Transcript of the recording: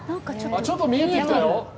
ちょっと見えてきたよ。